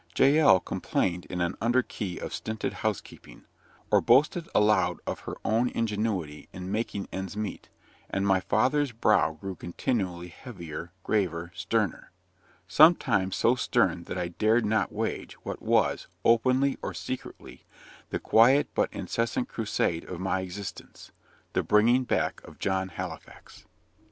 Jael complained in an under key of stinted housekeeping, or boasted aloud of her own ingenuity in making ends meet: and my father's brow grew continually heavier, graver, sterner; sometimes so stern that I dared not wage, what was, openly or secretly, the quiet but incessant crusade of my existence the bringing back of John Halifax.